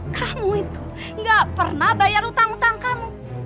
kamu itu gak pernah bayar utang utang kamu